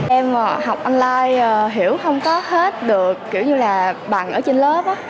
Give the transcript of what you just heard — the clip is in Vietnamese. em học online hiểu không có hết được kiểu như là bằng ở trên lớp